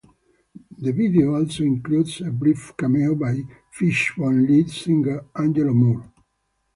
The video also includes a brief cameo by Fishbone lead singer, Angelo Moore.